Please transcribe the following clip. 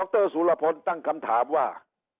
ดรสุรพนิธิไตรตั้งคำถามว่า